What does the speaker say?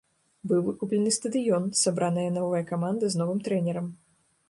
Быў выкуплены стадыён, сабраная новая каманда з новым трэнерам.